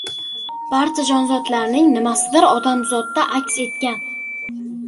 • Barcha jonzotlarning nimasidir odamzodda aks etgan.